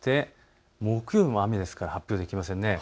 木曜も雨ですから発表できません。